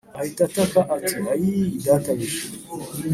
Ahita ataka ati ayii databuja